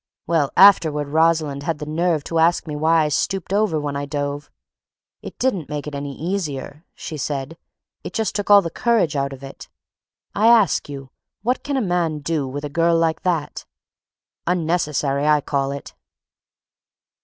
Well, afterward Rosalind had the nerve to ask me why I stooped over when I dove. 'It didn't make it any easier,' she said, 'it just took all the courage out of it.' I ask you, what can a man do with a girl like that? Unnecessary, I call it."